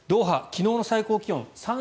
昨日の最高気温３２度。